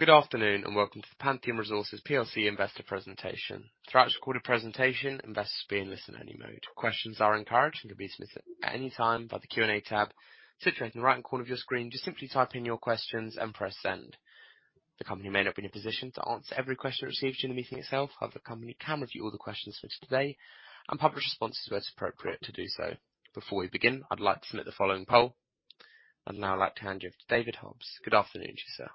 Good afternoon, and welcome to the Pantheon Resources plc Investor Presentation. Throughout the recorded presentation, investors will be in listen-only mode. Questions are encouraged and can be submitted at any time by the Q&A tab situated in the right corner of your screen. Just simply type in your questions and press Send. The company may not be in a position to answer every question received during the meeting itself, however, the company can review all the questions for today and publish responses where it's appropriate to do so. Before we begin, I'd like to submit the following poll. I'd now like to hand you over to David Hobbs. Good afternoon to you, sir.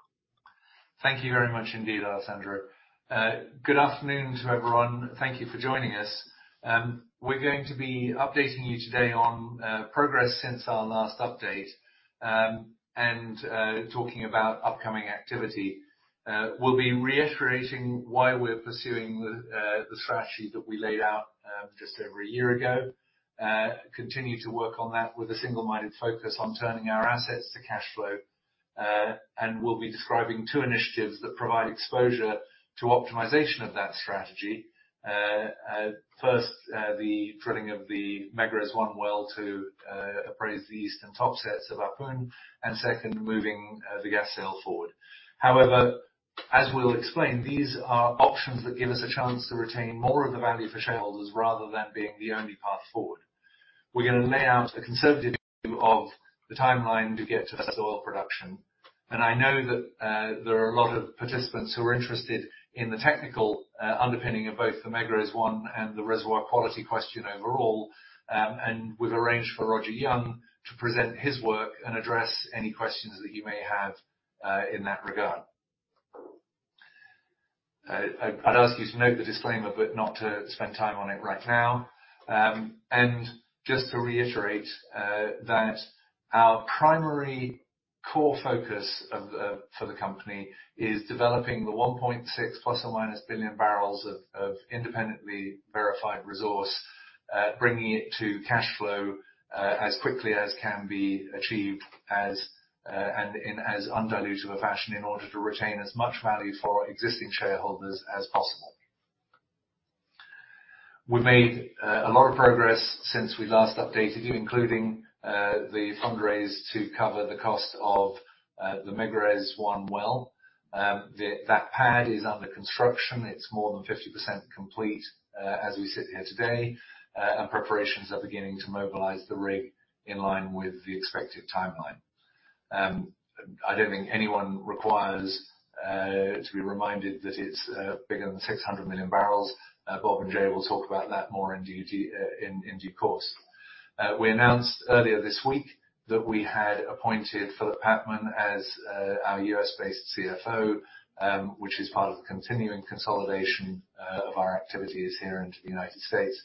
Thank you very much indeed, Alessandro. Good afternoon to everyone. Thank you for joining us. We're going to be updating you today on progress since our last update, and talking about upcoming activity. We'll be reiterating why we're pursuing the strategy that we laid out just over a year ago and continue to work on that with a single-minded focus on turning our assets to cash flow. We'll be describing two initiatives that provide exposure to optimization of that strategy. First, the drilling of the Megrez-1 well to appraise the Eastern Topsets of our pool. And second, moving the gas sale forward. However, as we'll explain, these are options that give us a chance to retain more of the value for shareholders rather than being the only path forward. We're gonna lay out a conservative view of the timeline to get to the oil production. I know that there are a lot of participants who are interested in the technical underpinning of both the Megrez-1 and the reservoir quality question overall. We've arranged for Roger Young to present his work and address any questions that you may have in that regard. I'd ask you to note the disclaimer, but not to spend time on it right now. Just to reiterate that our primary core focus for the company is developing the 1.6 ± billion barrels of independently verified resource, bringing it to cash flow as quickly as can be achieved, and in as non-dilutive a fashion in order to retain as much value for our existing shareholders as possible. We've made a lot of progress since we last updated you, including the fundraise to cover the cost of the Megrez-1 well. That pad is under construction. It's more than 50% complete as we sit here today. Preparations are beginning to mobilize the rig in line with the expected timeline. I don't think anyone requires to be reminded that it's bigger than 600 million barrels. Bob and Jay will talk about that more in due course. We announced earlier this week that we had appointed Philip Patman as our U.S.-based CFO, which is part of the continuing consolidation of our activities here into the United States.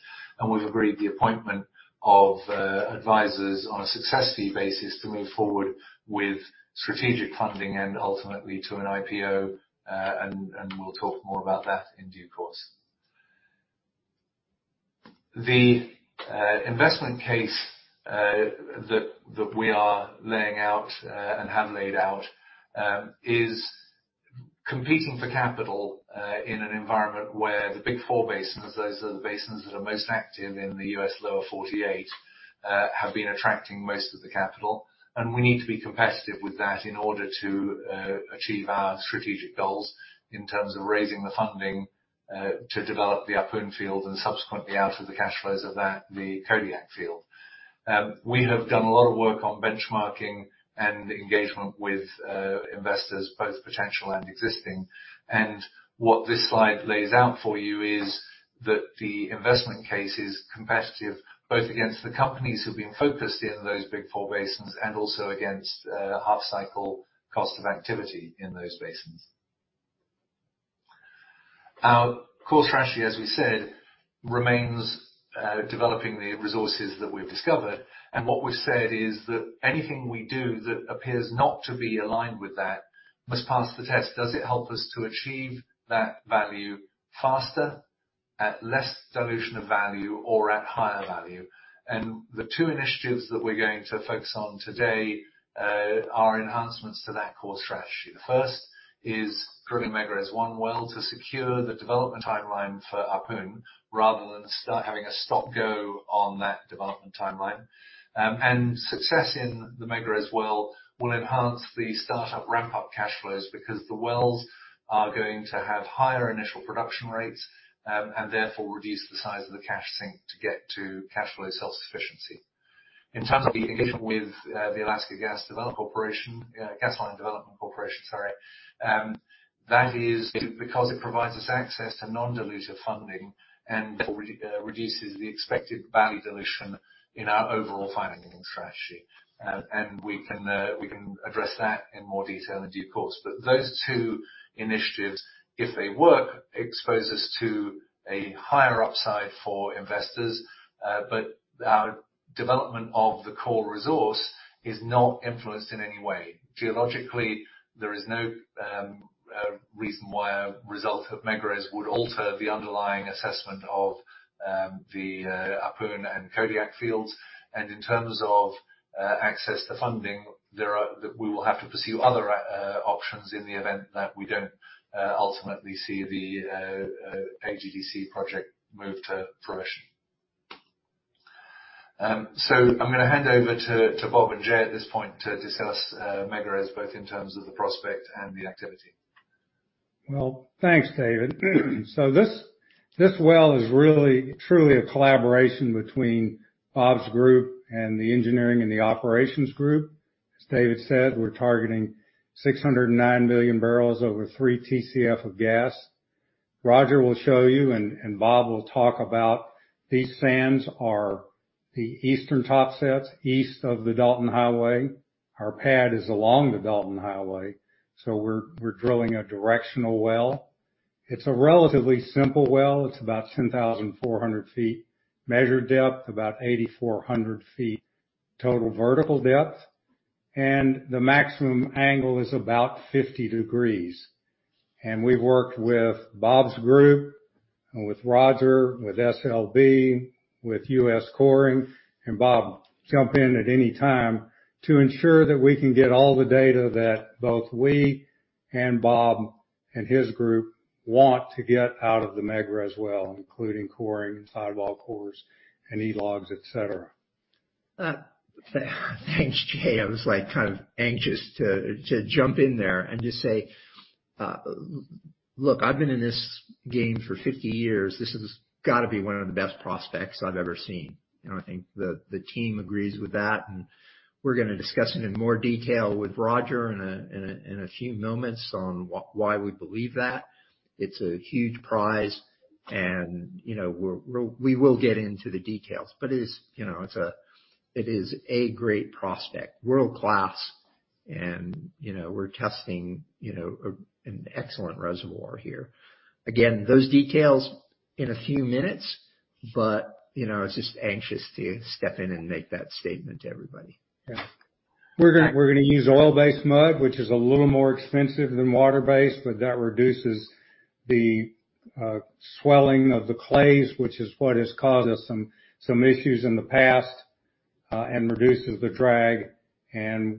We've agreed the appointment of advisors on a success fee basis to move forward with strategic funding and ultimately to an IPO. We'll talk more about that in due course. The investment case that we are laying out and have laid out is competing for capital in an environment where the big four basins, those are the basins that are most active in the U.S. Lower 48, have been attracting most of the capital. We need to be competitive with that in order to achieve our strategic goals in terms of raising the funding to develop the Ahpun field and subsequently out of the cash flows of that, the Kodiak field. We have done a lot of work on benchmarking and engagement with investors, both potential and existing. What this slide lays out for you is that the investment case is competitive, both against the companies who've been focused in those big four basins and also against half-cycle cost of activity in those basins. Our core strategy, as we said, remains developing the resources that we've discovered. What we've said is that anything we do that appears not to be aligned with that must pass the test. Does it help us to achieve that value faster, at less dilution of value or at higher value? The two initiatives that we're going to focus on today are enhancements to that core strategy. The first is drilling Megrez-1 well to secure the development timeline for Ahpun rather than start having a stop-go on that development timeline. Success in the Megrez well will enhance the start-up ramp-up cash flows because the wells are going to have higher initial production rates, and therefore reduce the size of the cash sink to get to cash flow self-sufficiency. In terms of the engagement with the Alaska Gasline Development Corporation, that is because it provides us access to non-dilutive funding and reduces the expected value dilution in our overall financing strategy. We can address that in more detail in due course. Those two initiatives, if they work, expose us to a higher upside for investors. Our development of the core resource is not influenced in any way. Geologically, there is no reason why a result of Megrez would alter the underlying assessment of the Ahpun and Kodiak fields. In terms of access to funding, we will have to pursue other options in the event that we don't ultimately see the AGDC project move to progression. I'm gonna hand over to Bob and Jay at this point to discuss Megrez both in terms of the prospect and the activity. Well, thanks, David. This well is really truly a collaboration between Bob's group and the engineering and the operations group. As David said, we're targeting 609 million barrels over three TCF of gas. Roger will show you and Bob will talk about these sands are the Eastern Topsets, east of the Dalton Highway. Our pad is along the Dalton Highway, so we're drilling a directional well. It's a relatively simple well. It's about 10,400 feet measured depth, about 8,400 feet total vertical depth. The maximum angle is about 50 degrees. We've worked with Bob's group and with Roger, with SLB, with US Coring, and Bob, jump in at any time, to ensure that we can get all the data that both we and Bob and his group want to get out of the Megrez well, including coring, sidewall cores, and E-Logs, et cetera. Thanks, Jay. I was, like, kind of anxious to jump in there and just say, look, I've been in this game for 50 years. This has gotta be one of the best prospects I've ever seen. I think the team agrees with that, and we're gonna discuss it in more detail with Roger in a few moments on why we believe that. It's a huge prize and, you know, we will get into the details. It is a great prospect, world-class, and, you know, we're testing an excellent reservoir here. Again, those details in a few minutes, but, you know, I was just anxious to step in and make that statement to everybody. Yeah. A- We're gonna use oil-based mud, which is a little more expensive than water-based, but that reduces the swelling of the clays, which is what has caused us some issues in the past, and reduces the drag.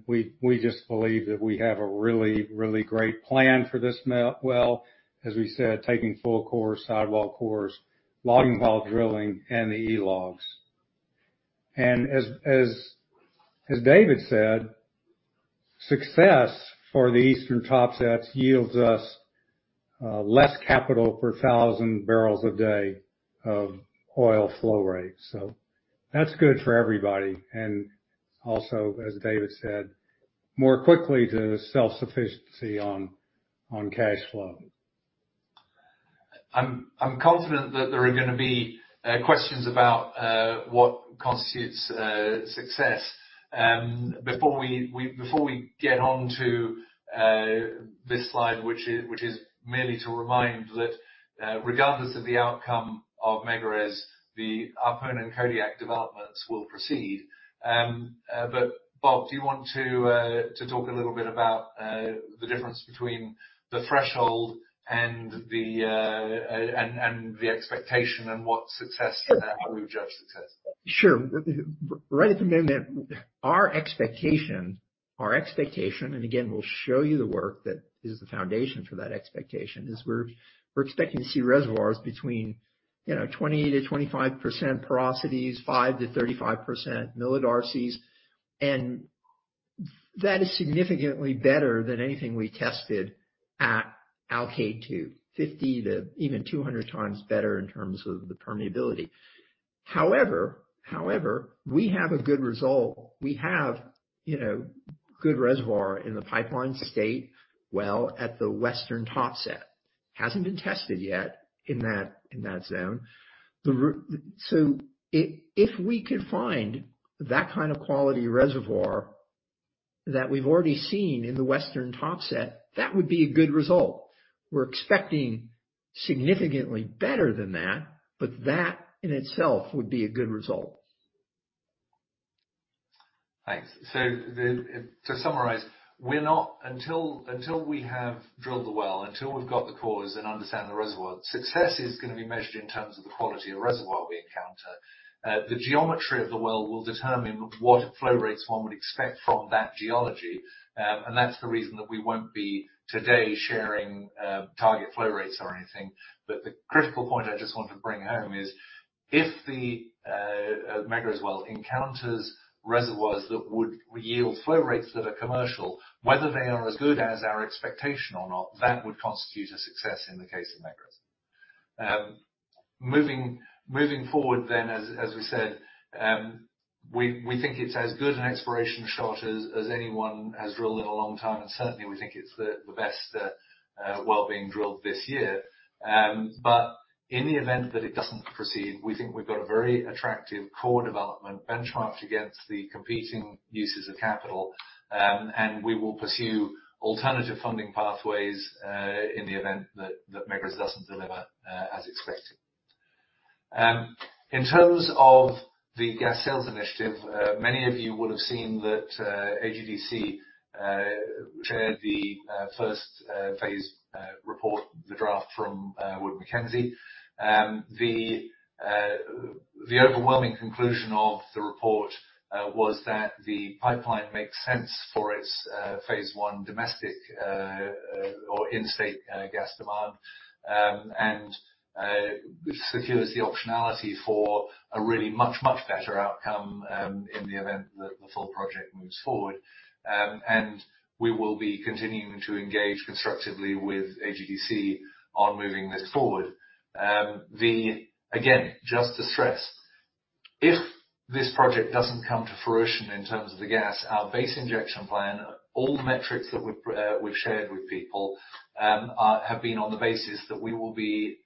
We just believe that we have a really great plan for this well. As we said, taking full core sidewall cores, logging while drilling, and the E-Log. As David said, success for the Eastern Topsets yields us less capital per 1,000 barrels a day of oil flow rate. That's good for everybody. Also, as David said, more quickly to self-sufficiency on cash flow. I'm confident that there are gonna be questions about what constitutes success. Before we get onto this slide, which is mainly to remind that, regardless of the outcome of Megrez, the Ahpun and Kodiak developments will proceed. Bob, do you want to talk a little bit about the difference between the threshold and the expectation and what success for that, how we would judge success? Sure. Right at the moment, our expectation, and again, we'll show you the work that is the foundation for that expectation, is we're expecting to see reservoirs between, you know, 20%-25% porosities, five-35 millidarcies. That is significantly better than anything we tested at Alkaid-2. 50-200x better in terms of the permeability. However, we have a good result. We have, you know, good reservoir in the Pikka lease well at the Western Topsets. Hasn't been tested yet in that zone. So if we could find that kind of quality reservoir that we've already seen in the Western Topsets, that would be a good result. We're expecting significantly better than that, but that in itself would be a good result. Thanks. To summarize, until we have drilled the well, until we've got the cores and understand the reservoir, success is gonna be measured in terms of the quality of reservoir we encounter. The geometry of the well will determine what flow rates one would expect from that geology. That's the reason that we won't be today sharing target flow rates or anything. The critical point I just want to bring home is if the Megrez well encounters reservoirs that would yield flow rates that are commercial, whether they are as good as our expectation or not, that would constitute a success in the case of Megrez. Moving forward, as we said, we think it's as good an exploration shot as anyone has drilled in a long time, and certainly we think it's the best well being drilled this year. In the event that it doesn't proceed, we think we've got a very attractive core development benchmarked against the competing uses of capital. We will pursue alternative funding pathways in the event that Megrez doesn't deliver as expected. In terms of the gas sales initiative, many of you will have seen that AGDC shared the first phase report, the draft from Wood Mackenzie. The overwhelming conclusion of the report was that the pipeline makes sense for its phase one domestic or in-state gas demand. Secures the optionality for a really much, much better outcome in the event that the full project moves forward. We will be continuing to engage constructively with AGDC on moving this forward. Again, just to stress, if this project doesn't come to fruition in terms of the gas, our base injection plan, all the metrics that we've shared with people, have been on the basis that we will be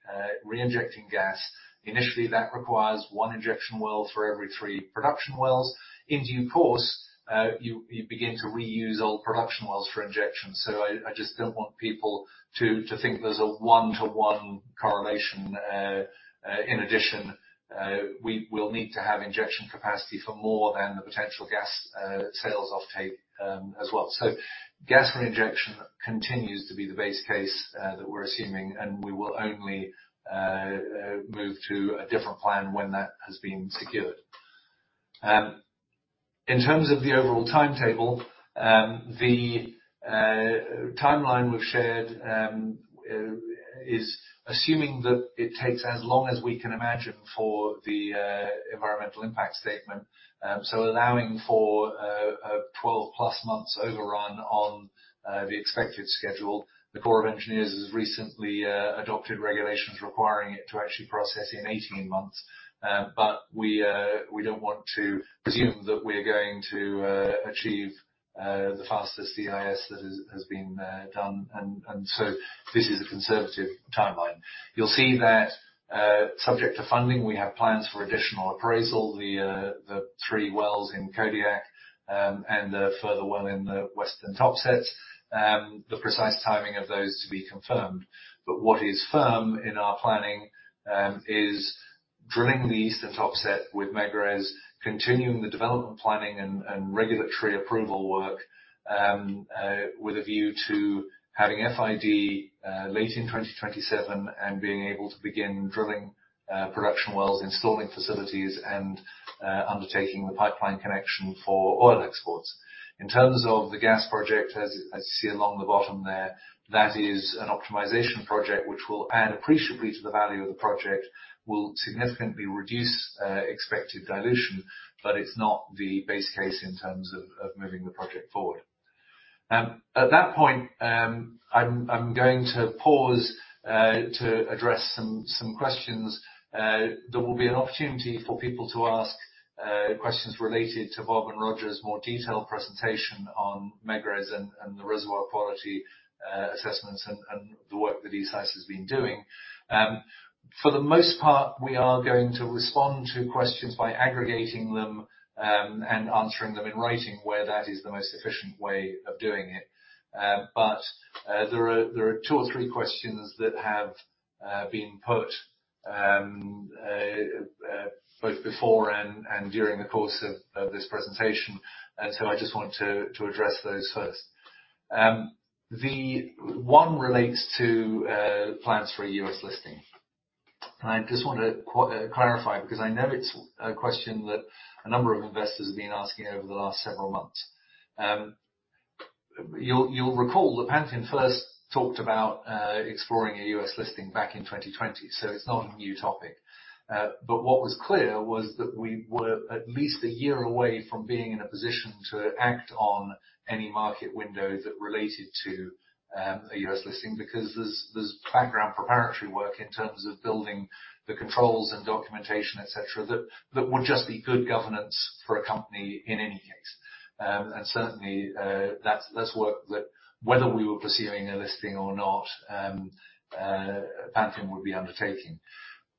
reinjecting gas. Initially, that requires one injection well for every three production wells. In due course, you begin to reuse old production wells for injection. I just don't want people to think there's a one-to-one correlation. In addition, we will need to have injection capacity for more than the potential gas sales offtake, as well. Gas reinjection continues to be the base case that we're assuming, and we will only move to a different plan when that has been secured. In terms of the overall timetable, the timeline we've shared is assuming that it takes as long as we can imagine for the Environmental Impact Statement, allowing for 12+ months overrun on the expected schedule. The Corps of Engineers has recently adopted regulations requiring it to actually process in 18 months. We don't want to presume that we're going to achieve the fastest EIS that has been done. This is a conservative timeline. You'll see that, subject to funding, we have plans for additional appraisal, the three wells in Kodiak, and a further one in the Western Topsets. The precise timing of those to be confirmed. What is firm in our planning is drilling the Eastern Topsets with Megrez, continuing the development planning and regulatory approval work, with a view to having FID late in 2027 and being able to begin drilling production wells, installing facilities, and undertaking the pipeline connection for oil exports. In terms of the gas project, as you see along the bottom there, that is an optimization project which will add appreciably to the value of the project, will significantly reduce expected dilution, but it's not the base case in terms of moving the project forward. At that point, I'm going to pause to address some questions. There will be an opportunity for people to ask questions related to Bob and Roger's more detailed presentation on Megrez and the reservoir quality assessments and the work that Isais has been doing. For the most part, we are going to respond to questions by aggregating them and answering them in writing where that is the most efficient way of doing it. But there are two or three questions that have been put both before and during the course of this presentation. I just want to address those first. The one relates to plans for a U.S. listing. I just want to clarify because I know it's a question that a number of investors have been asking over the last several months. You'll recall that Pantheon first talked about exploring a U.S. listing back in 2020, so it's not a new topic. But what was clear was that we were at least a year away from being in a position to act on any market window that related to a U.S. listing, because there's background preparatory work in terms of building the controls and documentation, et cetera, that would just be good governance for a company in any case. Certainly, that's work that whether we were pursuing a listing or not, Pantheon would be undertaking.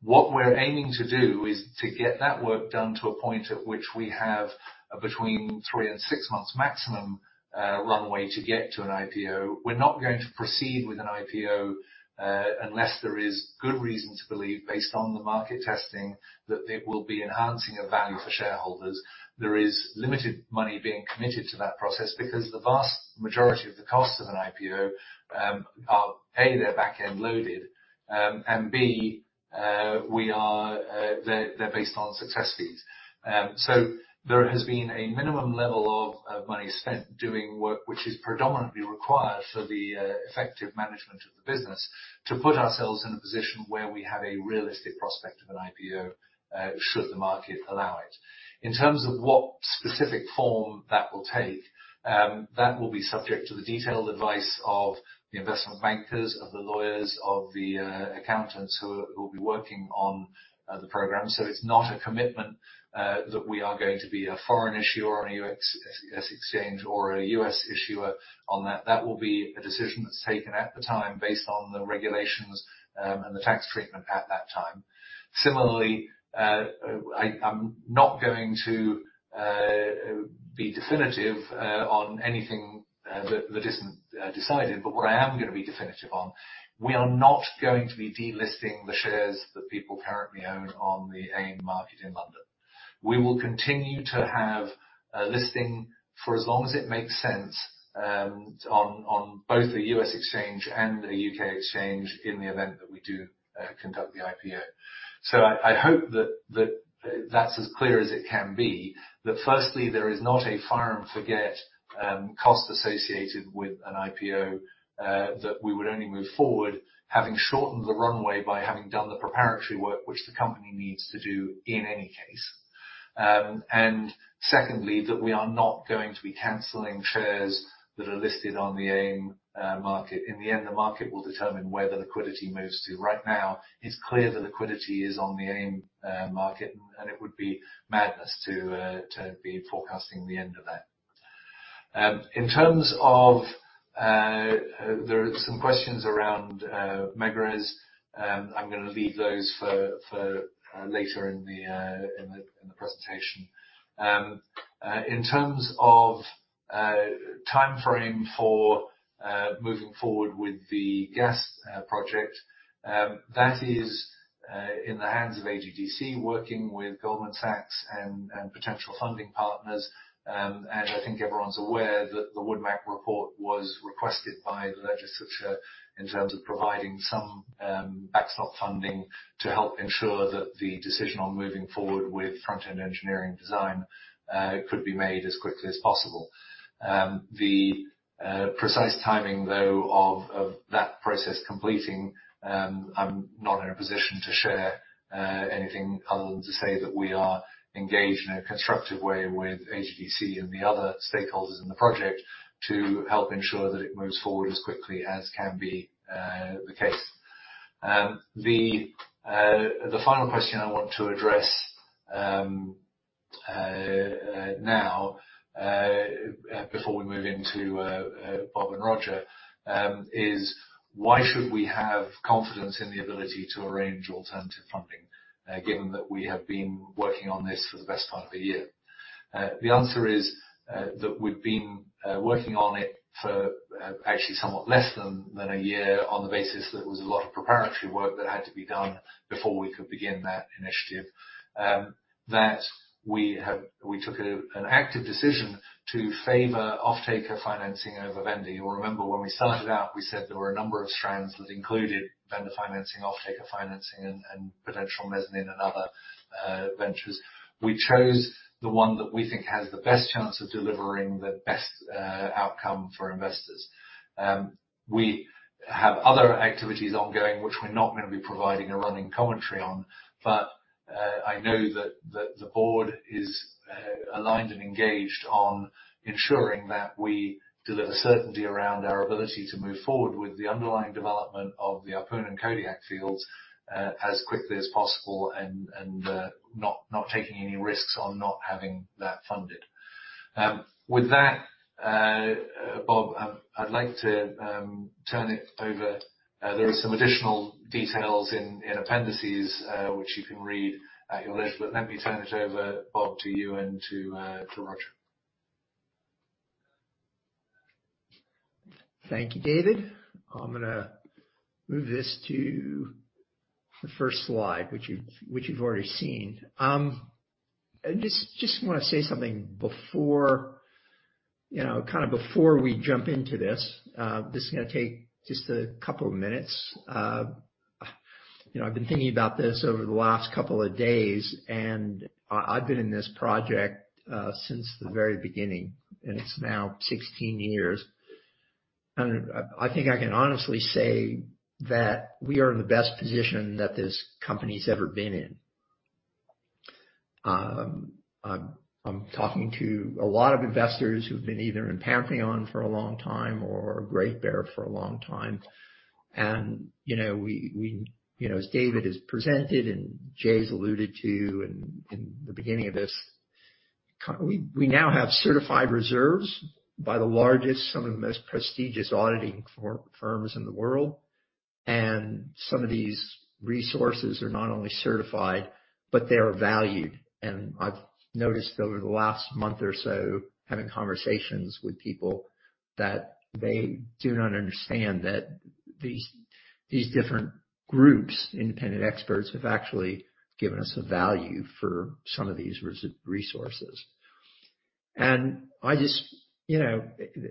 What we're aiming to do is to get that work done to a point at which we have between three and six months maximum runway to get to an IPO. We're not going to proceed with an IPO unless there is good reason to believe, based on the market testing, that it will be enhancing a value for shareholders. There is limited money being committed to that process because the vast majority of the costs of an IPO are, A, they're back-end loaded, and B, they're based on success fees. There has been a minimum level of money spent doing work which is predominantly required for the effective management of the business to put ourselves in a position where we have a realistic prospect of an IPO should the market allow it. In terms of what specific form that will take, that will be subject to the detailed advice of the investment bankers, of the lawyers, of the accountants who will be working on the program. It's not a commitment that we are going to be a foreign issuer on a U.S. exchange or a U.S. issuer on that. That will be a decision that's taken at the time based on the regulations and the tax treatment at that time. Similarly, I'm not going to be definitive on anything that isn't decided, but what I am gonna be definitive on, we are not going to be delisting the shares that people currently own on the AIM market in London. We will continue to have a listing for as long as it makes sense, on both the US exchange and the UK exchange in the event that we do conduct the IPO. I hope that that's as clear as it can be. That firstly, there is not a fire and forget cost associated with an IPO, that we would only move forward having shortened the runway by having done the preparatory work which the company needs to do in any case. Secondly, that we are not going to be canceling shares that are listed on the AIM market. In the end, the market will determine where the liquidity moves to. Right now, it's clear the liquidity is on the AIM market, and it would be madness to be forecasting the end of that. In terms of, there are some questions around Megrez. I'm gonna leave those for later in the presentation. In terms of timeframe for moving forward with the gas project, that is in the hands of AGDC working with Goldman Sachs and potential funding partners. I think everyone's aware that the WoodMac report was requested by the legislature in terms of providing some backstop funding to help ensure that the decision on moving forward with front-end engineering design could be made as quickly as possible. The precise timing, though, of that process completing, I'm not in a position to share anything other than to say that we are engaged in a constructive way with AGDC and the other stakeholders in the project to help ensure that it moves forward as quickly as can be the case. The final question I want to address now before we move into Bob and Roger is why should we have confidence in the ability to arrange alternative funding given that we have been working on this for the best part of a year? The answer is that we've been working on it for actually somewhat less than a year on the basis that there was a lot of preparatory work that had to be done before we could begin that initiative. That we took an active decision to favor offtaker financing over vendor. You'll remember when we started out, we said there were a number of strands that included vendor financing, offtaker financing, and potential mezzanine and other ventures. We chose the one that we think has the best chance of delivering the best outcome for investors. We have other activities ongoing, which we're not gonna be providing a running commentary on, but I know that the board is aligned and engaged on ensuring that we deliver certainty around our ability to move forward with the underlying development of the Ahpun and Kodiak fields as quickly as possible and not taking any risks on not having that funded. With that, Bob, I'd like to turn it over. There are some additional details in appendices which you can read at your leisure. Let me turn it over, Bob, to you and to Roger. Thank you, David. I'm gonna move this to the first slide, which you've already seen. I just wanna say something before, you know, kind of before we jump into this. This is gonna take just a couple of minutes. You know, I've been thinking about this over the last couple of days and I've been in this project since the very beginning, and it's now 16 years. I think I can honestly say that we are in the best position that this company's ever been in. I'm talking to a lot of investors who've been either in Pantheon for a long time or Great Bear for a long time. You know, we you know, as David has presented and Jay's alluded to in the beginning of this, we now have certified reserves by the largest, some of the most prestigious auditing firms in the world. Some of these resources are not only certified, but they are valued. I've noticed over the last month or so, having conversations with people that they do not understand that these different groups, independent experts, have actually given us a value for some of these resources. I just you know,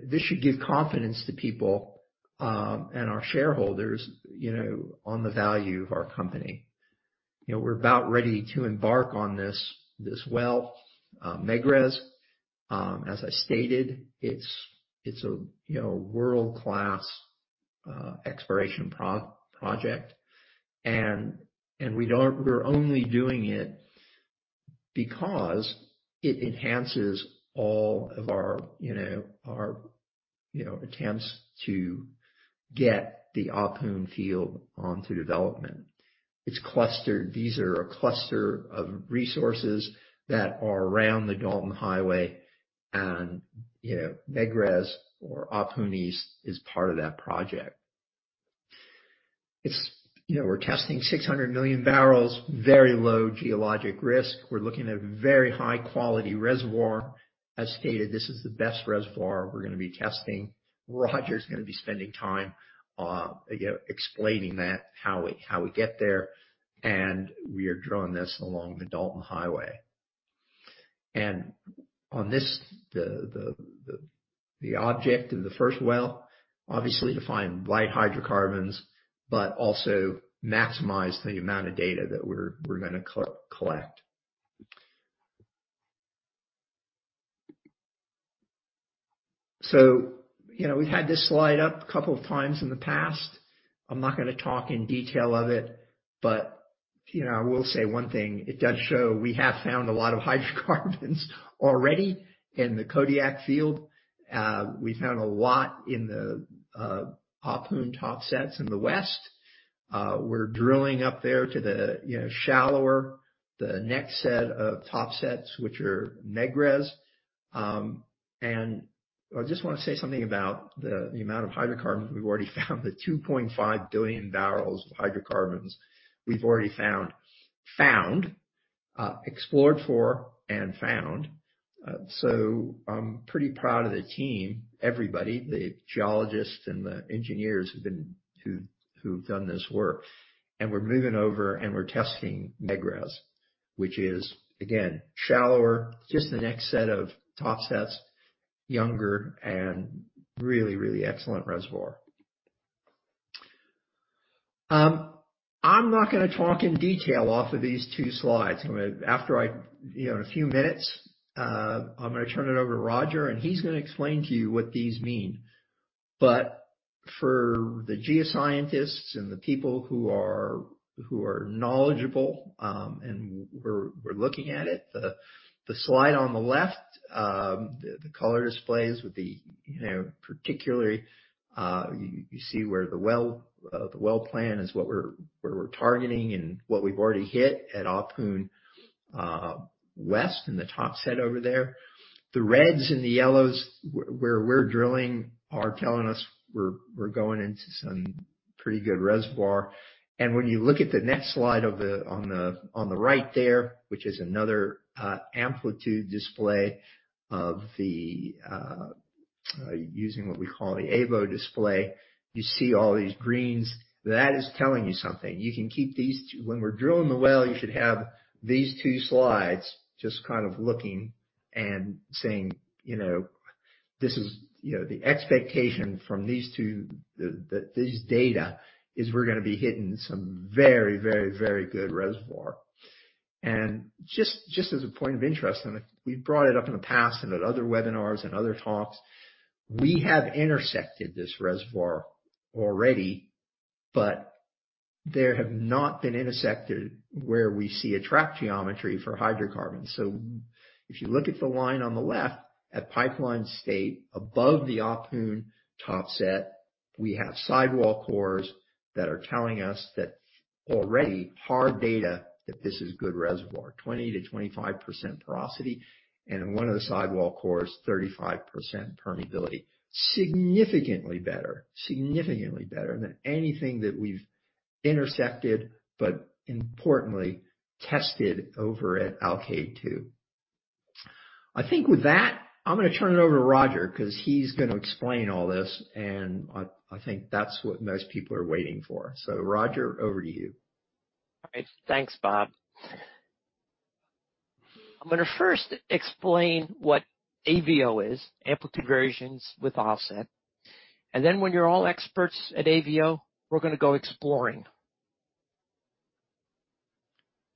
this should give confidence to people and our shareholders you know, on the value of our company. You know, we're about ready to embark on this this well, Megrez. As I stated, it's a you know, world-class exploration project. We don't-- we're only doing it because it enhances all of our, you know, attempts to get the Ahpun field onto development. It's clustered. These are a cluster of resources that are around the Dalton Highway and, you know, Megrez or Ahpun East is part of that project. It's, you know, we're testing 600 million barrels, very low geologic risk. We're looking at a very high-quality reservoir. As stated, this is the best reservoir we're gonna be testing. Roger is gonna be spending time, you know, explaining that, how we get there. We are drawing this along the Dalton Highway. On this, the object of the first well, obviously to find light hydrocarbons, but also maximize the amount of data that we're gonna collect. You know, we've had this slide up a couple of times in the past. I'm not gonna talk in detail of it, but you know, I will say one thing, it does show we have found a lot of hydrocarbons already in the Kodiak field. We found a lot in the Ahpun Western Topsets. We're drilling up there to the shallower, the next set of Topsets, which are Megrez. I just wanna say something about the amount of hydrocarbons we've already found. The 2.5 billion barrels of hydrocarbons we've already found, explored for and found. I'm pretty proud of the team. Everybody, the geologists and the engineers who've done this work. We're moving over and we're testing Megrez, which is, again, shallower, just the next set of topsets, younger and really, really excellent reservoir. I'm not gonna talk in detail off of these two slides. In a few minutes, you know, I'm gonna turn it over to Roger, and he's gonna explain to you what these mean. For the geoscientists and the people who are knowledgeable, and we're looking at it. The slide on the left, the color displays with the, you know, particularly, you see where the well plan is where we're targeting, and what we've already hit at Ahpun West, in the topset over there. The reds and the yellows where we're drilling are telling us we're going into some pretty good reservoir. When you look at the next slide on the right there, which is another amplitude display using what we call the AVO display. You see all these greens. That is telling you something. You can keep these two slides. When we're drilling the well, you should have these two slides just kind of looking and saying, you know, this is, you know, the expectation from these two, these data is we're gonna be hitting some very good reservoir. Just as a point of interest, we've brought it up in the past and at other webinars and other talks, we have intersected this reservoir already. But there have not been intersected where we see a trap geometry for hydrocarbons. If you look at the line on the left at Pipeline State above the Ahpun Topsets, we have sidewall cores that are telling us that already hard data that this is good reservoir. 20%-25% porosity, and in one of the sidewall cores, 35 millidarcies permeability. Significantly better than anything that we've intersected, but importantly, tested over at Alkaid-2. I think with that, I'm gonna turn it over to Roger because he's gonna explain all this, and I think that's what most people are waiting for. Roger, over to you. All right. Thanks, Bob. I'm gonna first explain what AVO is, amplitude variations with offset, and then when you're all experts at AVO, we're gonna go exploring.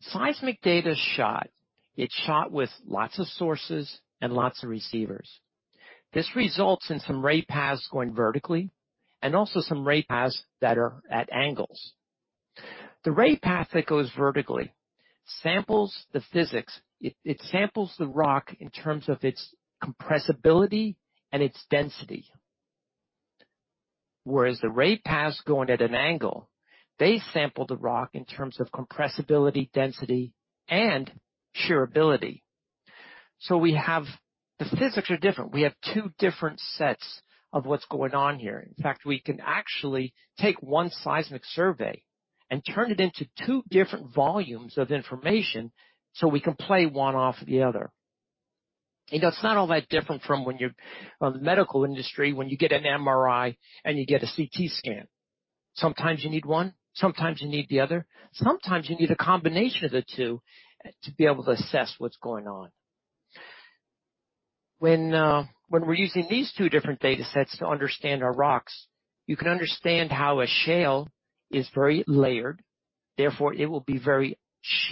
Seismic data is shot. It's shot with lots of sources and lots of receivers. This results in some ray paths going vertically and also some ray paths that are at angles. The ray path that goes vertically samples the physics. It samples the rock in terms of its compressibility and its density. Whereas the ray paths going at an angle, they sample the rock in terms of compressibility, density, and shearability. So we have. The physics are different. We have two different sets of what's going on here. In fact, we can actually take one seismic survey and turn it into two different volumes of information, so we can play one off the other. You know, it's not all that different from when you're in the medical industry when you get an MRI and you get a CT scan. Sometimes you need one, sometimes you need the other. Sometimes you need a combination of the two to be able to assess what's going on. When we're using these two different data sets to understand our rocks, you can understand how a shale is very layered, therefore, it will be very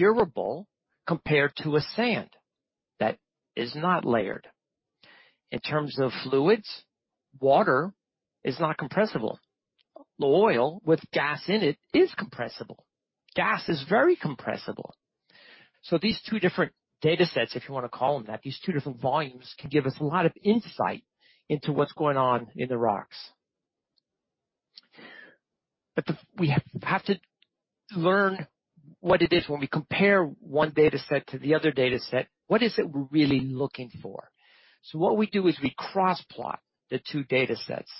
shearable compared to a sand that is not layered. In terms of fluids, water is not compressible. Oil with gas in it is compressible. Gas is very compressible. So these two different data sets, if you wanna call them that, these two different volumes, can give us a lot of insight into what's going on in the rocks. But the We have to learn what it is when we compare one data set to the other data set, what is it we're really looking for? What we do is we cross-plot the two data sets.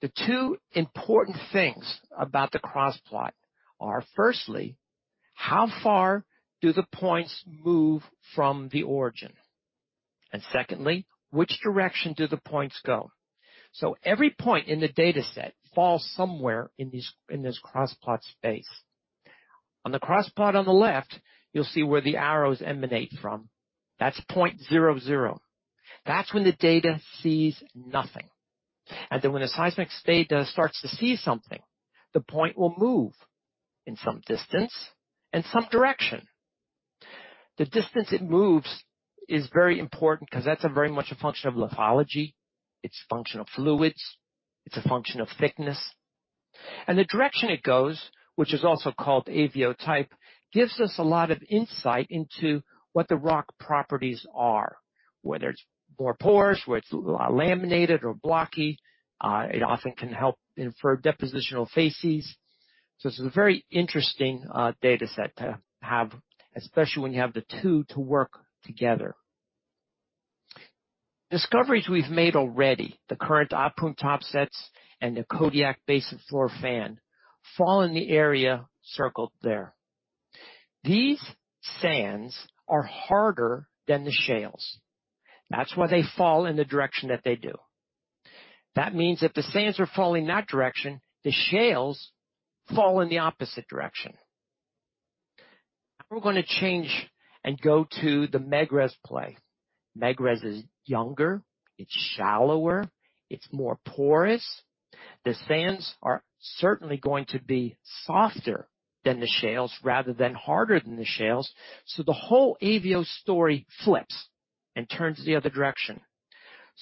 The two important things about the cross-plot are, firstly, how far do the points move from the origin? Secondly, which direction do the points go? Every point in the dataset falls somewhere in this cross-plot space. On the cross-plot on the left, you'll see where the arrows emanate from. That's point 0,0. That's when the data sees nothing. Then when the seismic data starts to see something, the point will move in some distance and some direction. The distance it moves is very important 'cause that's very much a function of lithology. It's a function of fluids. It's a function of thickness. The direction it goes, which is also called AVO type, gives us a lot of insight into what the rock properties are, whether it's more porous, whether it's laminated or blocky. It often can help infer depositional facies. It's a very interesting data set to have, especially when you have the two to work together. Discoveries we've made already, the current Ahpun Topsets and the Kodiak basin floor fan, fall in the area circled there. These sands are harder than the shales. That's why they fall in the direction that they do. That means if the sands are falling that direction, the shales fall in the opposite direction. Now we're gonna change and go to the Megrez play. Megrez is younger. It's shallower. It's more porous. The sands are certainly going to be softer than the shales rather than harder than the shales, so the whole AVO story flips and turns the other direction.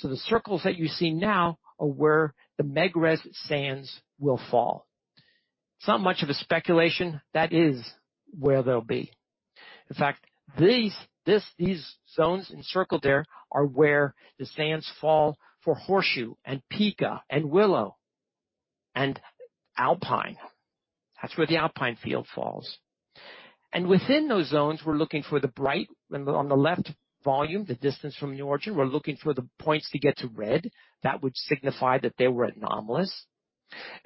The circles that you see now are where the Megrez sands will fall. It's not much of a speculation. That is where they'll be. In fact, these zones encircled there are where the sands fall for Horseshoe and Pikka and Willow and Alpine. That's where the Alpine field falls. Within those zones, we're looking for the bright on the left volume, the distance from the origin. We're looking for the points to get to red. That would signify that they were anomalous.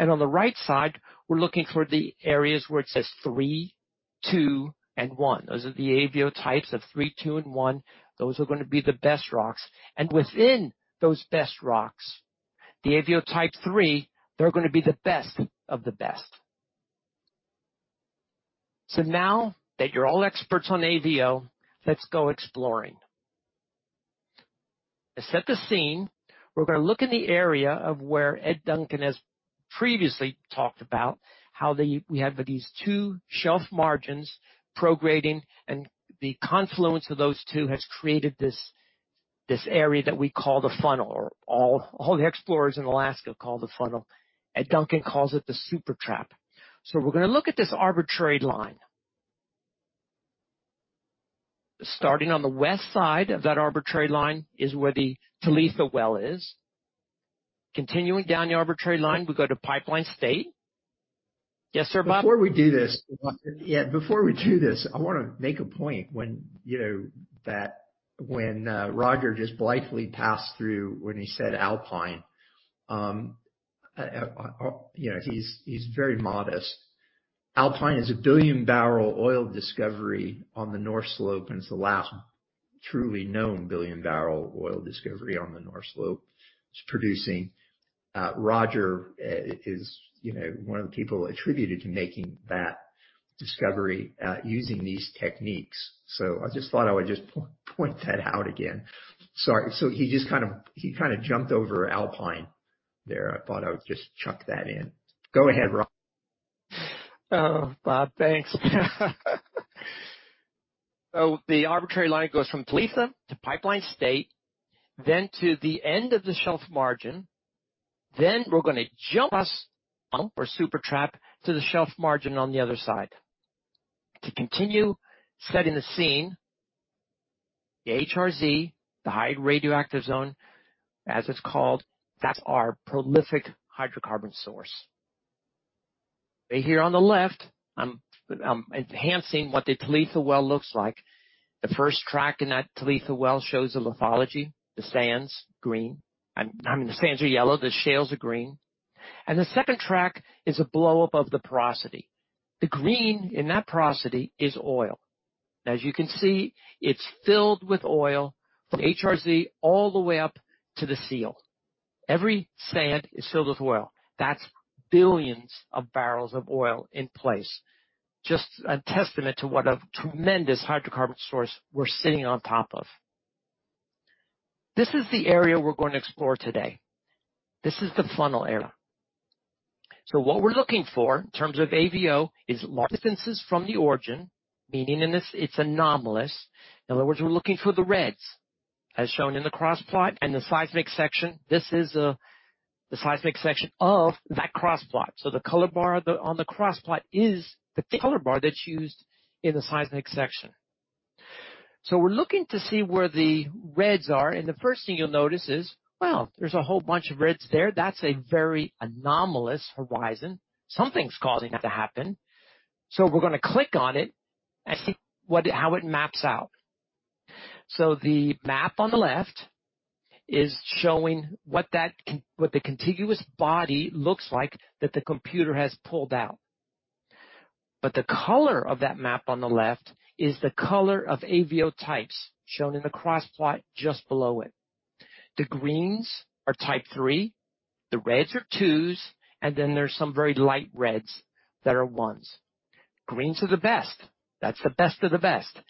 On the right side, we're looking for the areas where it says three, two, and one. Those are the AVO types of three, two, and one. Those are gonna be the best rocks. Within those best rocks, the AVO type three, they're gonna be the best of the best. Now that you're all experts on AVO, let's go exploring. To set the scene, we're gonna look in the area of where Ed Duncan has previously talked about how we have these two shelf margins prograding, and the confluence of those two has created this area that we call the Funnel. All the explorers in Alaska call the Funnel. Ed Duncan calls it the Super Trap. We're gonna look at this arbitrary line. Starting on the west side of that arbitrary line is where the Talitha well is. Continuing down the arbitrary line, we go to Pipeline State. Yes, sir, Bob? Before we do this, I wanna make a point that Roger just blithely passed through when he said Alpine. He's very modest. Alpine is a billion-barrel oil discovery on the North Slope, and it's the last truly known billion-barrel oil discovery on the North Slope. It's producing. Roger is one of the people attributed to making that discovery using these techniques. I just thought I would just point that out again. Sorry. He just kind of jumped over Alpine there. I thought I would just chuck that in. Go ahead, Rog. Oh, Bob, thanks. The arbitrary line goes from Talitha to Pipeline State, then to the end of the shelf margin, then we're gonna jump over Super Trap to the shelf margin on the other side. To continue setting the scene, the HRZ, the high radioactive zone, as it's called, that's our prolific hydrocarbon source. Right here on the left, I'm enhancing what the Talitha well looks like. The first track in that Talitha well shows the lithology, the sands, green. I mean, the sands are yellow, the shales are green. The second track is a blow-up of the porosity. The green in that porosity is oil. As you can see, it's filled with oil from HRZ all the way up to the seal. Every sand is filled with oil. That's billions of barrels of oil in place. Just a testament to what a tremendous hydrocarbon source we're sitting on top of. This is the area we're going to explore today. This is the Funnel area. What we're looking for in terms of AVO is distances from the origin, meaning in this it's anomalous. In other words, we're looking for the reds. As shown in the cross plot and the seismic section, this is the seismic section of that cross plot. The color bar on the cross plot is the color bar that's used in the seismic section. We're looking to see where the reds are, and the first thing you'll notice is, well, there's a whole bunch of reds there. That's a very anomalous horizon. Something's causing that to happen. We're gonna click on it and see what, how it maps out. The map on the left is showing what the contiguous body looks like that the computer has pulled out. The color of that map on the left is the color of AVO types shown in the cross plot just below it. The greens are type three, the reds are twos, and then there's some very light reds that are ones. Greens are the best. That's the best of the best.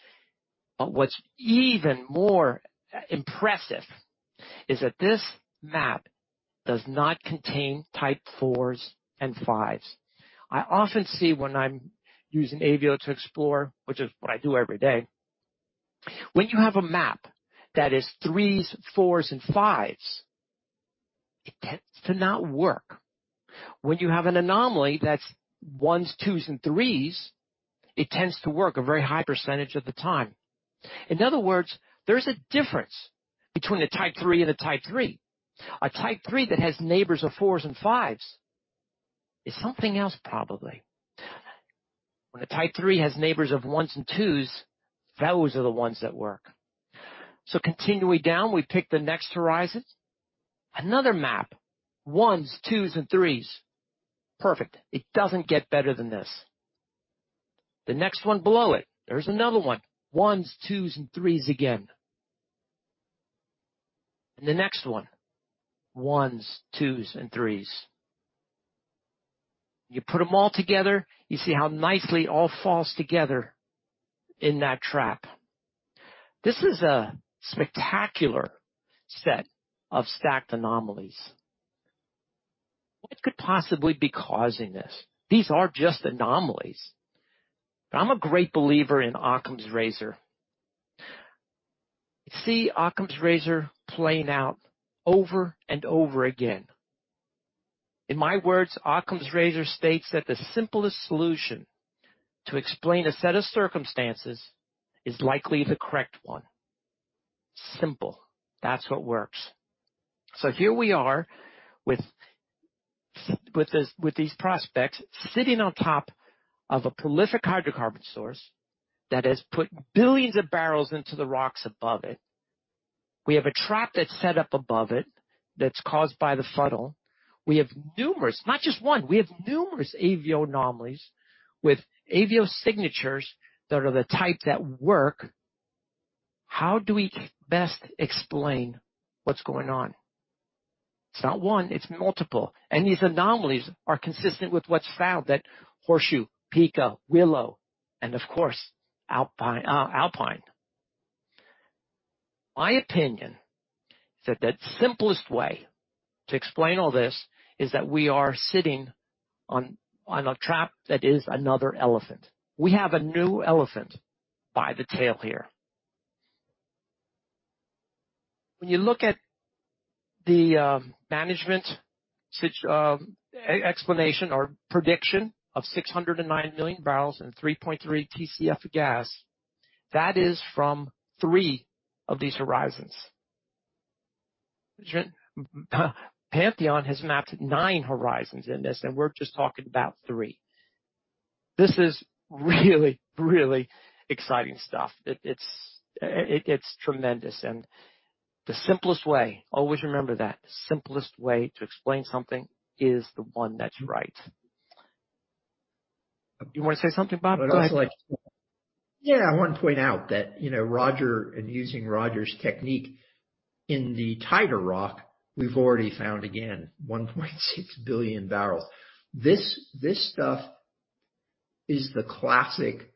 What's even more impressive is that this map does not contain type fours and fives. I often see when I'm using AVO to explore, which is what I do every day. When you have a map that is threes, fours, and fives, it tends to not work. When you have an anomaly that's ones, twos, and threes, it tends to work a very high percentage of the time. In other words, there's a difference between a type three and a type three. A type three that has neighbors of fours and fives is something else, probably. When a type three has neighbors of ones and twos, those are the ones that work. Continuing down, we pick the next horizons. Another map, ones, twos, and threes. Perfect. It doesn't get better than this. The next one below it, there's another one. Ones, twos, and threes again. The next one, ones, twos, and threes. You put them all together, you see how nicely it all falls together in that trap. This is a spectacular set of stacked anomalies. What could possibly be causing this? These are just anomalies. I'm a great believer in Occam's razor. You see Occam's razor playing out over and over again. In my words, Occam's razor states that the simplest solution to explain a set of circumstances is likely the correct one. Simple. That's what works. Here we are with these prospects sitting on top of a prolific hydrocarbon source that has put billions of barrels into the rocks above it. We have a trap that's set up above it that's caused by the Funnel. We have numerous, not just one, AVO anomalies with AVO signatures that are the type that work. How do we best explain what's going on? It's not one, it's multiple. These anomalies are consistent with what's found at Horseshoe, Pikka, Willow, and of course, Alpine. My opinion is that the simplest way to explain all this is that we are sitting on a trap that is another elephant. We have a new elephant by the tail here. When you look at the management explanation or prediction of 609 million barrels and 3.3 TCF of gas, that is from three of these horizons. Pantheon has mapped nine horizons in this, and we're just talking about three. This is really, really exciting stuff. It's tremendous. The simplest way, always remember that, the simplest way to explain something is the one that's right. You wanna say something, Bob? Go ahead. I wanna point out that, you know, Roger, in using Roger's technique in the tighter rock, we've already found, again, 1.6 billion barrels. This stuff is the classic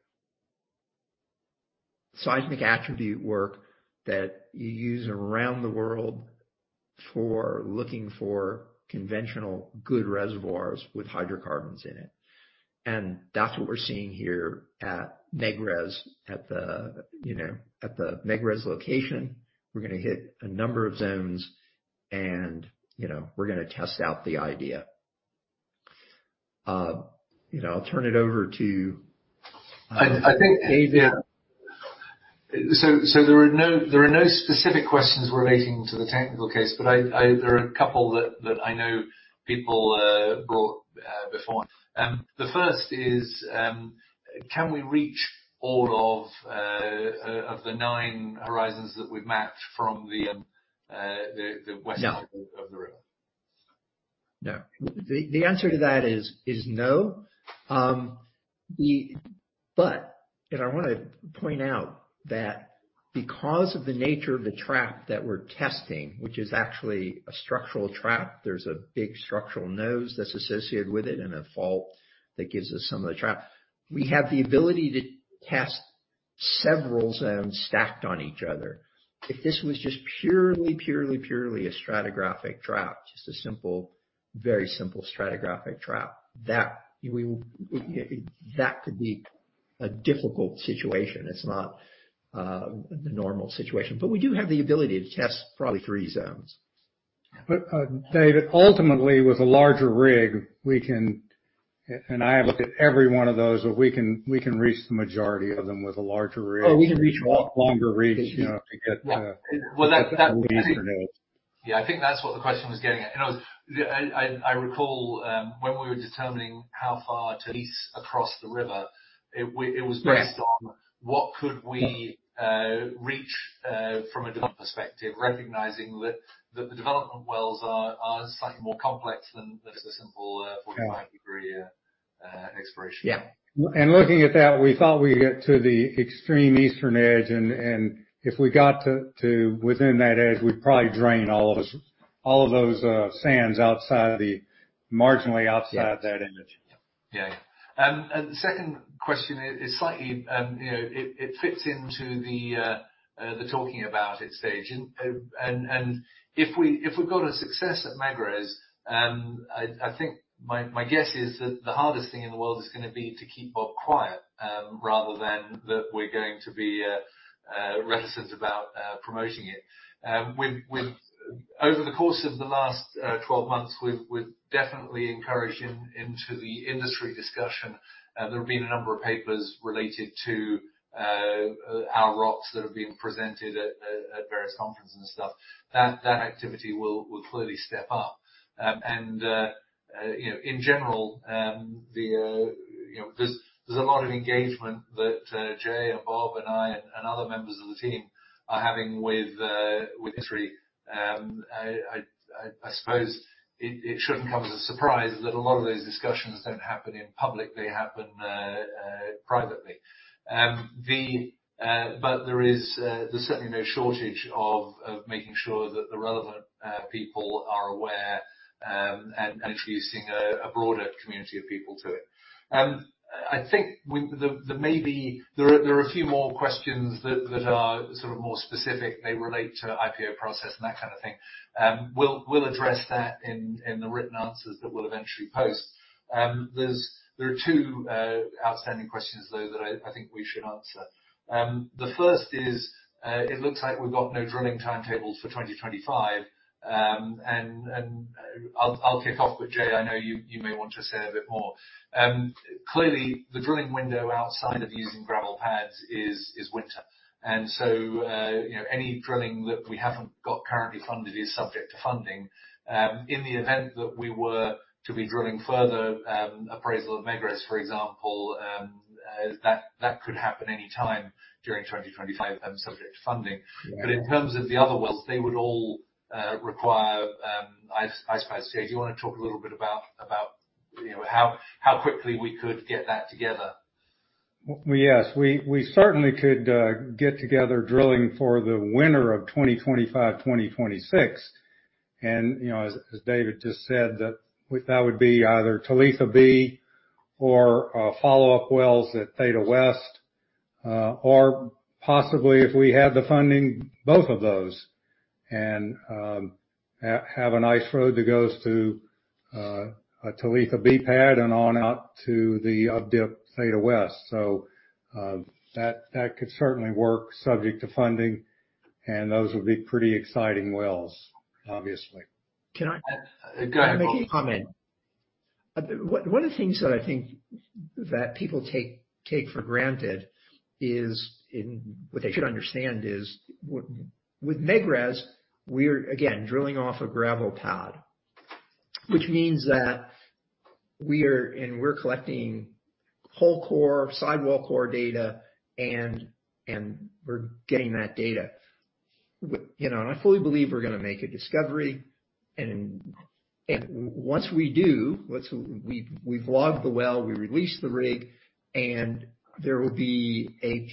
seismic attribute work that you use around the world for looking for conventional good reservoirs with hydrocarbons in it. That's what we're seeing here at Megrez, at the, you know, at the Megrez location. We're gonna hit a number of zones and, you know, we're gonna test out the idea. You know, I'll turn it over to, I think, yeah. There are no specific questions relating to the technical case, but there are a couple that I know people got before. The first is, can we reach all of the nine horizons that we've matched from the west? No of the river? No. The answer to that is no. I wanna point out that because of the nature of the trap that we're testing, which is actually a structural trap, there's a big structural nose that's associated with it and a fault that gives us some of the trap. We have the ability to test several zones stacked on each other. If this was just purely a stratigraphic trap, just a simple, very simple stratigraphic trap, that could be a difficult situation. It's not the normal situation. We do have the ability to test probably three zones. David, ultimately, with a larger rig, we can. I have looked at every one of those, but we can reach the majority of them with a larger rig. Oh, we can reach- Longer reach, you know, to get Well, that.... Yeah, I think that's what the question was getting at. You know, I recall when we were determining how far to lease across the river. It was based on what could we reach from a development perspective, recognizing that the development wells are slightly more complex than the simple 45-degree exploration. Yeah. Looking at that, we thought we'd get to the extreme eastern edge, and if we got to within that edge, we'd probably drain all of those sands marginally outside of that image. Yeah. The second question is slightly you know it fits into the talking about it stage. If we got a success at Megrez, I think my guess is that the hardest thing in the world is gonna be to keep Bob quiet rather than that we're going to be reticent about promoting it. Over the course of the last 12 months, we've definitely encouraged him into the industry discussion. There have been a number of papers related to our rocks that have been presented at various conferences and stuff. That activity will clearly step up. You know, in general, you know, there's a lot of engagement that Jay and Bob and I and other members of the team are having with industry. I suppose it shouldn't come as a surprise that a lot of those discussions don't happen in public. They happen privately. There is certainly no shortage of making sure that the relevant people are aware and introducing a broader community of people to it. I think there are a few more questions that are sort of more specific. They relate to IPO process and that kind of thing. We'll address that in the written answers that we'll eventually post. There are two outstanding questions though that I think we should answer. The first is, it looks like we've got no drilling timetables for 2025. I'll kick off, but Jay, I know you may want to say a bit more. Clearly the drilling window outside of using gravel pads is winter. You know, any drilling that we haven't got currently funded is subject to funding. In the event that we were to be drilling further appraisal of Megrez, for example, that could happen any time during 2025, subject to funding. Yeah. In terms of the other wells, they would all require, I suppose, Jay, do you wanna talk a little bit about, you know, how quickly we could get that together? Well, yes. We certainly could get together drilling for the winter of 2025-2026. You know, as David just said, that would be either Talitha B or follow-up wells at Theta West, or possibly if we had the funding, both of those, have a nice road that goes to Talitha B pad and on out to the up dip Theta West. That could certainly work subject to funding, and those would be pretty exciting wells, obviously. Go ahead, Bob. Can I make a comment? One of the things that I think that people take for granted is what they should understand is with Megrez, we're again drilling off a gravel pad, which means that we're collecting whole core, sidewall core data, and we're getting that data. You know, and I fully believe we're gonna make a discovery. And once we do, once we've logged the well, we release the rig, and there will be a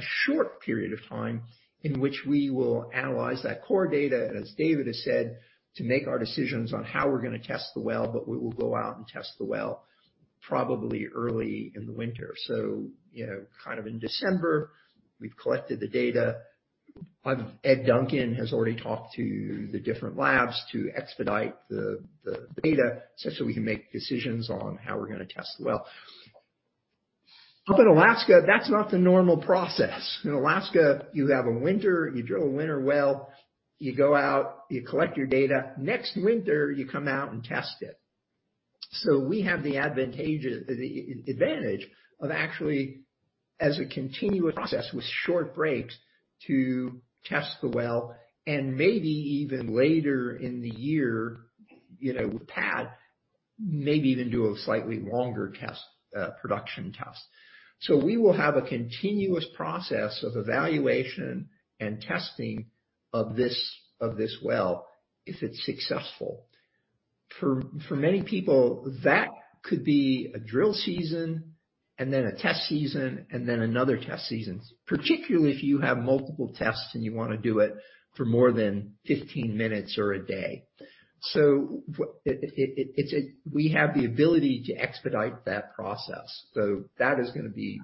short period of time in which we will analyze that core data, and as David has said, to make our decisions on how we're gonna test the well, but we will go out and test the well probably early in the winter. You know, kind of in December, we've collected the data. Ed Duncan has already talked to the different labs to expedite the data, such that we can make decisions on how we're gonna test the well. Up in Alaska, that's not the normal process. In Alaska, you have a winter, you drill a winter well, you go out, you collect your data. Next winter, you come out and test it. We have the advantage of actually as a continuous process with short breaks to test the well and maybe even later in the year, you know, with pad, maybe even do a slightly longer test, production test. We will have a continuous process of evaluation and testing of this well if it's successful. For many people, that could be a drill season and then a test season and then another test season, particularly if you have multiple tests and you wanna do it for more than 15 minutes or a day. We have the ability to expedite that process. That is gonna be.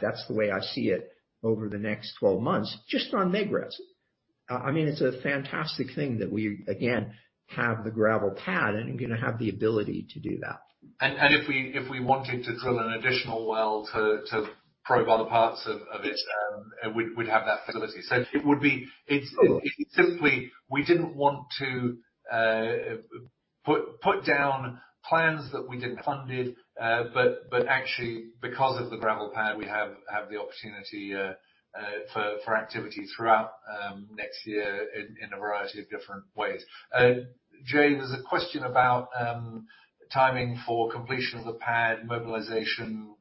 That's the way I see it over the next 12 months, just on Megrez. I mean, it's a fantastic thing that we again have the gravel pad and gonna have the ability to do that. If we wanted to drill an additional well to probe other parts of it, we'd have that facility. It would be- Sure. It's simply we didn't want to put down plans that we didn't fund it. Actually because of the gravel pad, we have the opportunity for activity throughout next year in a variety of different ways. Jay, there's a question about timing for completion of the pad mobilization,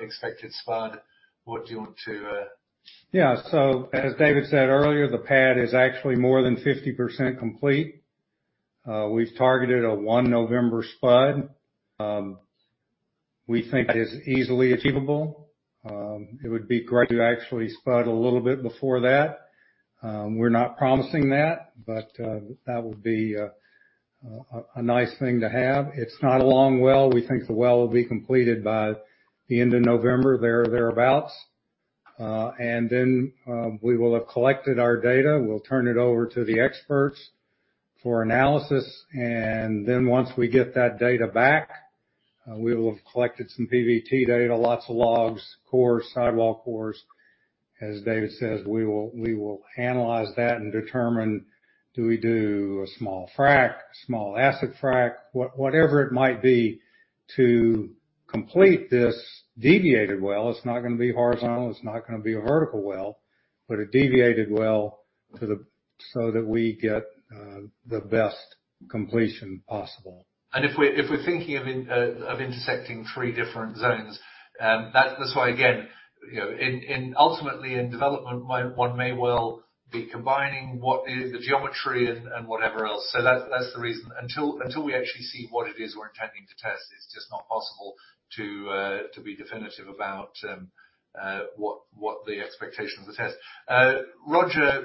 expected spud. What do you want to Yeah. As David said earlier, the pad is actually more than 50% complete. We've targeted a 1 November spud. We think it is easily achievable. It would be great to actually spud a little bit before that. We're not promising that, but that would be a nice thing to have. It's not a long well. We think the well will be completed by the end of November, there or thereabouts. We will have collected our data, we'll turn it over to the experts for analysis. Once we get that data back, we will have collected some PVT data, lots of logs, cores, sidewall cores. As David says, we will analyze that and determine, do we do a small frack, small acid frack, whatever it might be to complete this deviated well. It's not gonna be horizontal, it's not gonna be a vertical well, but a deviated well so that we get the best completion possible. If we're thinking of intersecting three different zones, that's why, again, you know, ultimately in development one may well be combining what is the geometry and whatever else. That's the reason. Until we actually see what it is we're intending to test, it's just not possible to be definitive about what the expectation of the test. Roger,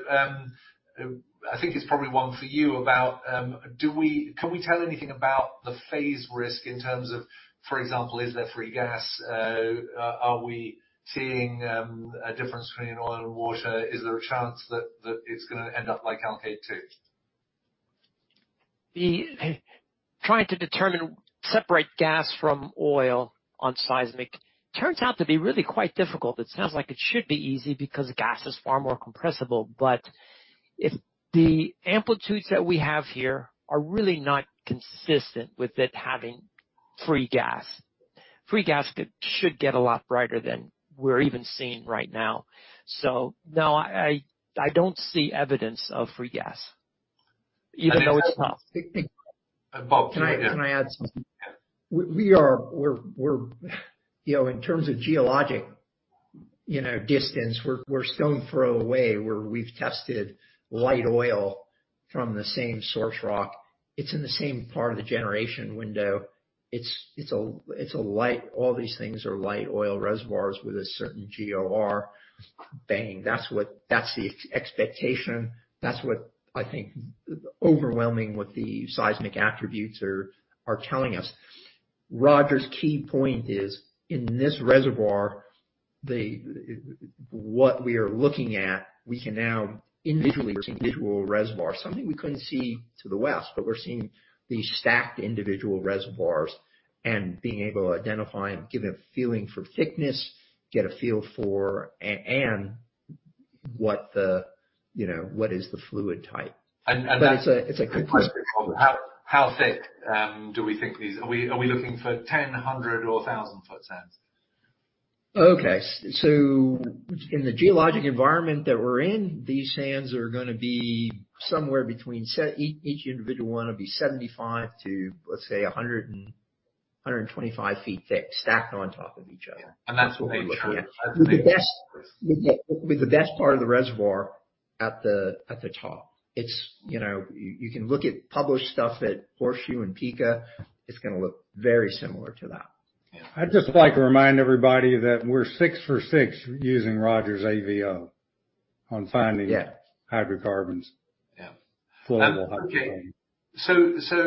I think it's probably one for you about can we tell anything about the phase risk in terms of, for example, is there free gas? Are we seeing a difference between oil and water? Is there a chance that it's gonna end up like Alkaid-2? Trying to determine separate gas from oil on seismic turns out to be really quite difficult. It sounds like it should be easy because gas is far more compressible, but if the amplitudes that we have here are really not consistent with it having free gas. Free gas should get a lot brighter than we're even seeing right now. No, I don't see evidence of free gas, even though it's not Bob, Can I add something? Yeah. We are in terms of geologic distance, we're a stone's throw away where we've tested light oil from the same source rock. It's in the same part of the generation window. It's a light. All these things are light oil reservoirs with a certain GOR bang. That's the expectation. That's what I think overwhelmingly what the seismic attributes are telling us. Roger's key point is in this reservoir. What we are looking at, we can now individually see individual reservoirs, something we couldn't see to the west, but we're seeing these stacked individual reservoirs and being able to identify and get a feeling for thickness, get a feel for and what, you know, what is the fluid type. It's a good question. How thick do we think these are? Are we looking for 10-100 or 1,000-foot sands? Okay. In the geologic environment that we're in, these sands are gonna be somewhere between each individual one will be 75-125 feet thick, stacked on top of each other. That's what we're looking at. With the best part of the reservoir at the top. You know, you can look at published stuff at Horseshoe and Pikka, it's gonna look very similar to that. Yeah. I'd just like to remind everybody that we're six for six using Roger's AVO on finding. Yeah. Hydrocarbons, flowable hydrocarbons. Okay.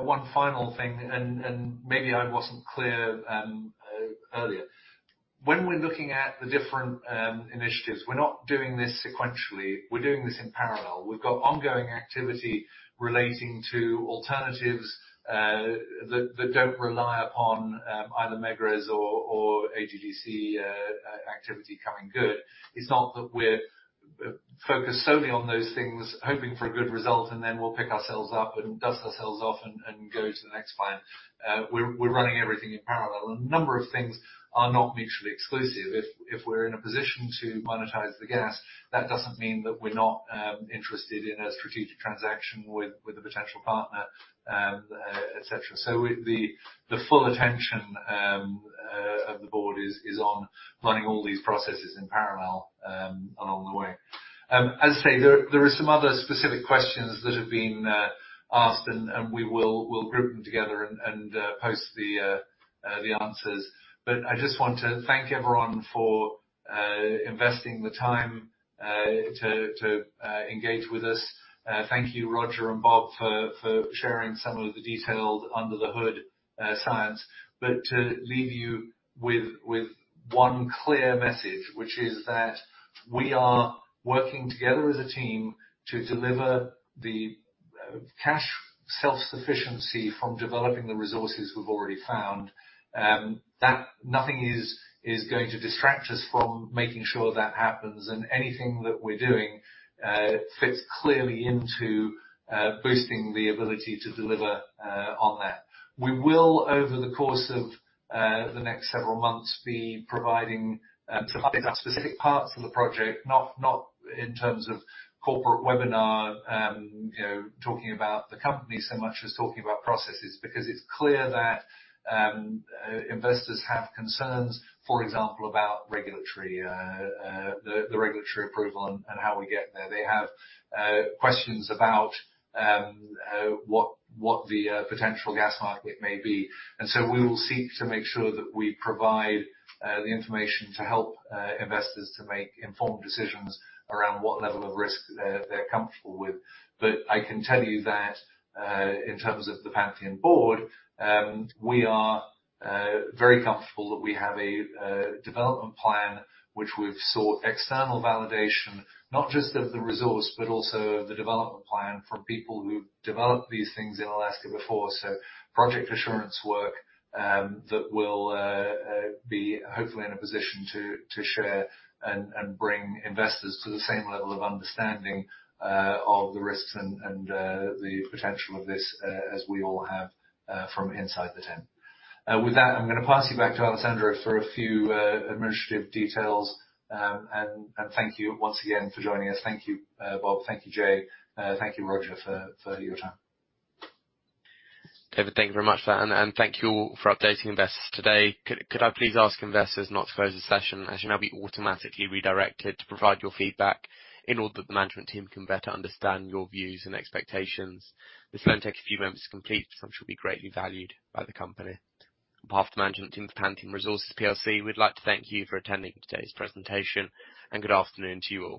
One final thing, and maybe I wasn't clear earlier. When we're looking at the different initiatives, we're not doing this sequentially, we're doing this in parallel. We've got ongoing activity relating to alternatives that don't rely upon either Megrez or AGDC activity coming good. It's not that we're focused solely on those things, hoping for a good result, and then we'll pick ourselves up and dust ourselves off and go to the next plan. We're running everything in parallel. A number of things are not mutually exclusive. If we're in a position to monetize the gas, that doesn't mean that we're not interested in a strategic transaction with a potential partner, et cetera. The full attention of the board is on running all these processes in parallel along the way. As I say, there are some other specific questions that have been asked, and we will group them together and post the answers. I just want to thank everyone for investing the time to engage with us. Thank you, Roger and Bob for sharing some of the detailed under the hood science. To leave you with one clear message, which is that we are working together as a team to deliver the cash self-sufficiency from developing the resources we've already found, that nothing is going to distract us from making sure that happens, and anything that we're doing fits clearly into boosting the ability to deliver on that. We will over the course of the next several months be providing specific parts of the project, not in terms of corporate webinar you know talking about the company so much as talking about processes, because it's clear that investors have concerns, for example, about the regulatory approval and how we get there. They have questions about what the potential gas market may be. We will seek to make sure that we provide the information to help investors to make informed decisions around what level of risk they're comfortable with. I can tell you that in terms of the Pantheon board, we are very comfortable that we have a development plan which we've sought external validation, not just of the resource, but also the development plan from people who've developed these things in Alaska before. Project assurance work that we'll be hopefully in a position to share and bring investors to the same level of understanding of the risks and the potential of this as we all have from inside the tent. With that, I'm gonna pass you back to Alessandro for a few administrative details. Thank you once again for joining us. Thank you, Bob. Thank you, Jay. Thank you, Roger, for your time. David, thank you very much for that, and thank you all for updating investors today. Could I please ask investors not to close the session, as you'll now be automatically redirected to provide your feedback in order that the management team can better understand your views and expectations. This will only take a few moments to complete, so it should be greatly valued by the company. On behalf of the management team for Pantheon Resources plc, we'd like to thank you for attending today's presentation, and good afternoon to you all.